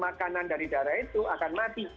makanan dari darah itu akan mati